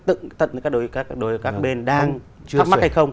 tận đến các đối các bên đang thắc mắc hay không